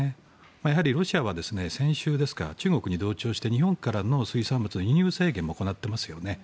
やはりロシアは先週ですか中国に同調して日本からの水産物の輸入制限も行っていますよね。